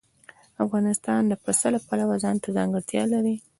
افغانستان د پسه د پلوه ځانته ځانګړتیا لري.